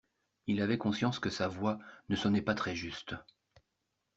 Il avait conscience que sa voix ne sonnait pas très juste.